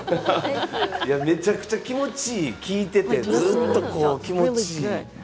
めちゃくちゃ気持ち良い、聴いてて気持ち良い。